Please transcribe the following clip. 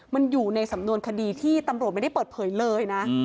มันอยู่ในสำนวนคดีที่ตำรวจไม่ได้เปิดเผยเลยนะ